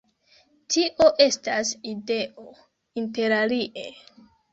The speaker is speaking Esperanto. Tio estas ideo, interalie!